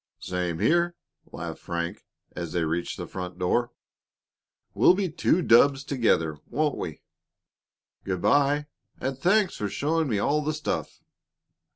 "Same here," laughed Frank, as they reached the front door. "We'll be two dubs together, won't we? Good by, and thanks for showing me all the stuff."